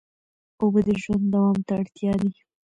اوبه د ژوند دوام ته اړتیا دي.